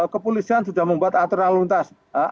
kepolisian sudah membuat aturan lalu lintas